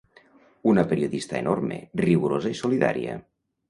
Una periodista enorme, rigorosa i solidària.